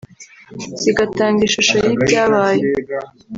zigatanga ishusho y'ibyabaye